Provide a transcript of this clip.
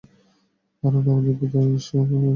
কারণ, তাদের পিতা ঈস-এর গায়ের রং ছিল গেরুয়া।